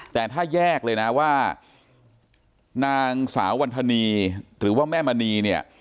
แต่ถ้าแยกเลยนะว่านางสาววันธนีหรือว่าแม่มณีเนี่ย